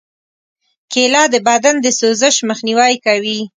کېله د بدن د سوزش مخنیوی کوي.